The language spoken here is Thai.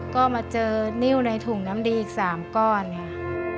ก็มาเจอนิ้วในถุงน้ำดีอีก๓ก้อนค่ะ